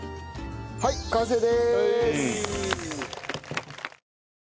はい完成です！